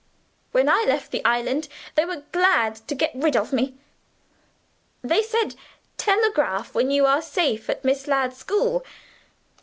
When I left the island they were glad to get rid of me. They said, 'Telegraph when you are safe at Miss Ladd's school.